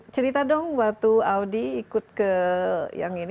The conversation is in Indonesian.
cerita dong waktu audi ikut ke yang ini